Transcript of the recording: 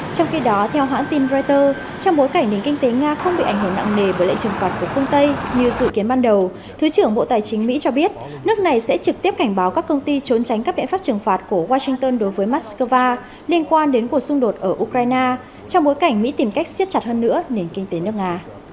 trong khi đó theo hãng tin reuters trong bối cảnh nền kinh tế nga không bị ảnh hưởng nặng nề bởi lệnh trừng phạt của phương tây như dự kiến ban đầu thứ trưởng bộ tài chính mỹ cho biết nước này sẽ trực tiếp cảnh báo các công ty trốn tránh các biện pháp trừng phạt của washington đối với moscow liên quan đến cuộc xung đột ở ukraine trong bối cảnh mỹ tìm cách siết chặt hơn nữa nền kinh tế nước nga